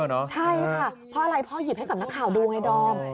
ใช่ค่ะเพราะอะไรพ่อหยิบให้กับนักข่าวดูไงดอม